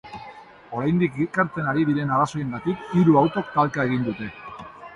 Oraindik ikertzen ari diren arrazoiengatik, hiru autok talka egin dute.